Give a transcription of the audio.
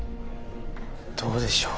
どうでしょう。